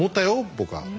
僕は。